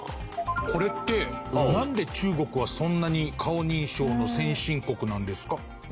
これってなんで中国はそんなに顔認証の先進国なんですか？